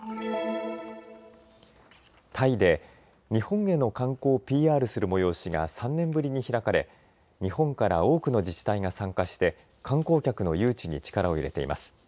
タイで日本への観光をＰＲする催しが３年ぶりに開かれ日本から多くの自治体が参加して観光客の誘致に力を入れています。